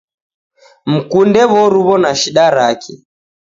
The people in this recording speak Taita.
Mkunde w'oruw'o na shida rake.